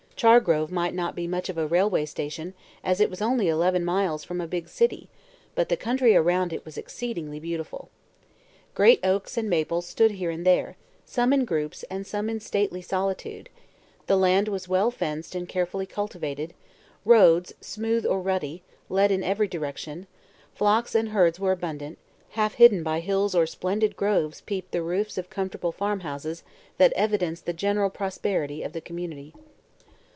Chargrove might not be much of a railway station, as it was only eleven miles from a big city, but the country around it was exceedingly beautiful. Great oaks and maples stood here and there, some in groups and some in stately solitude; the land was well fenced and carefully cultivated; roads smooth or rutty led in every direction; flocks and herds were abundant; half hidden by hills or splendid groves peeped the roofs of comfortable farmhouses that evidenced the general prosperity of the community.